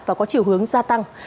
và có chiều hướng gia tăng